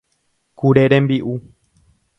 Kure rembi'u.